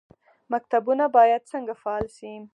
مکتبونه باید څنګه فعال شي؟